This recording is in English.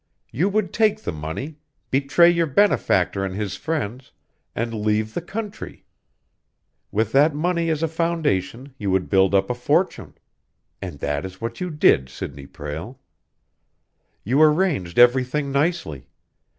You would take the money, betray your benefactor and his friends, and leave the country! With that money as a foundation, you would build up a fortune. And that is what you did, Sidney Prale! "You arranged everything nicely.